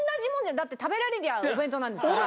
だって食べられりゃお弁当なんですから。